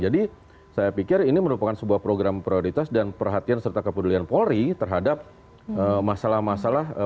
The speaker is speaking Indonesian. jadi saya pikir ini merupakan sebuah program prioritas dan perhatian serta kepedulian polri terhadap masalah masalah penegakan